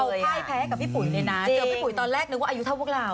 เอาพ่ายแพ้ให้กับพี่ปุ๋ยเลยนะเจอพี่ปุ๋ยตอนแรกนึกว่าอายุเท่าพวกเรา